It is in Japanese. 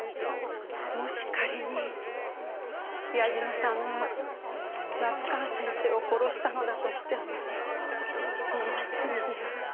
もし仮に矢嶋さんが夏河先生を殺したのだとしてももう罪には。